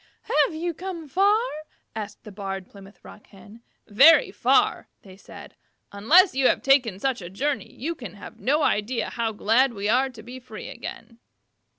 "Have you come far?" asked the Barred Plymouth Rock Hen. "Very far," said they. "Unless you have taken such a journey you can have no idea how glad we are to be free again."